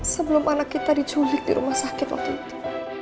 sebelum anak kita diculik di rumah sakit waktu itu